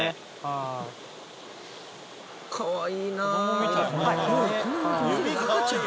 かわいいなぁ。